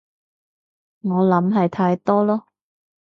我諗係太多囉